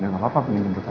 ya gapapa pengen jemput aja